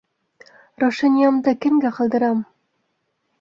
Раушаниямды кемгә ҡалдырам?!